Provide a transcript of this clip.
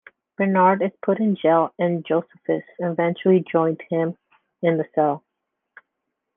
Bernard is put in jail, and Josephus eventually joins him in the cell.